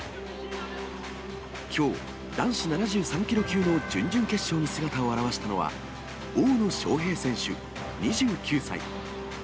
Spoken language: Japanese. きょう、男子７３キロ級の準々決勝に姿を現したのは、大野将平選手２９歳。